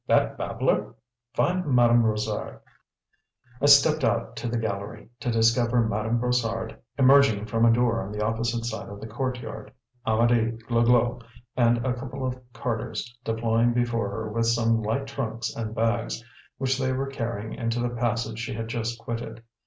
That babbler? Find Madame Brossard." I stepped out to the gallery, to discover Madame Brossard emerging from a door on the opposite side of the courtyard; Amedee, Glouglou, and a couple of carters deploying before her with some light trunks and bags, which they were carrying into the passage she had just quitted.